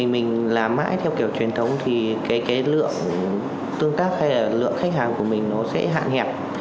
mình làm mãi theo kiểu truyền thống thì cái lượng tương tác hay là lượng khách hàng của mình nó sẽ hạn hẹp